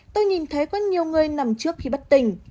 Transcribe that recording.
tôi nhìn thấy có nhiều người nằm trước khi bất tỉnh